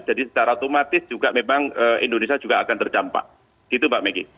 jadi secara otomatis juga memang indonesia juga akan terdampak gitu pak megi